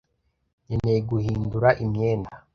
nkeneye guhindura imyenda.